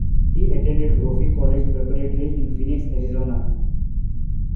He attended Brophy College Preparatory in Phoenix, Arizona.